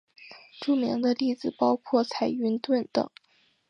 著名的例子包括彩云邨等。